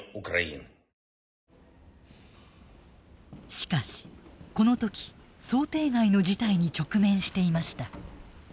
しかしこの時想定外の事態に直面していました。